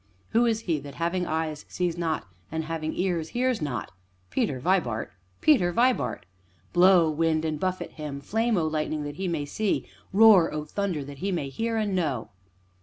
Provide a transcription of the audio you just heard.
Who is he that, having eyes, sees not, and having ears, hears not? Peter Vibart! Peter Vibart! Blow, Wind, and buffet him! Flame, O Lightning, that he may see! Roar, O Thunder, that he may hear and know!"